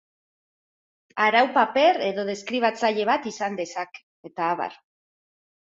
Arau paper edo deskribatzaile bat izan dezake, eta abar.